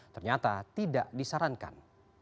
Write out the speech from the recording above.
ternyata tidak disarankan